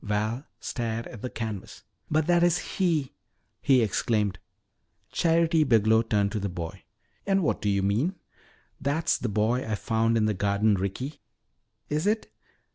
Val stared at the canvas._] "But that is he!" he exclaimed. Charity Biglow turned to the boy. "And what do you mean " "That's the boy I found in the garden, Ricky!" "Is it?"